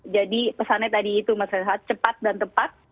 jadi pesannya tadi itu masalah cepat dan tepat